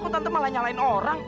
kok tante malah nyalain orang